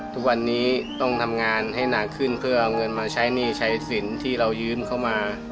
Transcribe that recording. ทุกวันนี้ต้องทำงานให้หนักขึ้นเพื่อเอาเงินมาใช้หนี้ใช้สินที่เรายืมเข้ามา